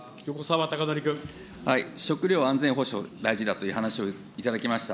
食料安全保障、大事だという話をいただきました。